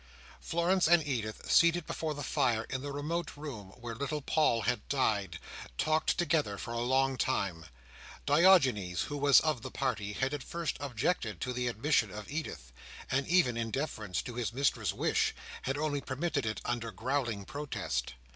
Florence and Edith, seated before the fire in the remote room where little Paul had died, talked together for a long time. Diogenes, who was of the party, had at first objected to the admission of Edith, and, even in deference to his mistress's wish, had only permitted it under growling protest.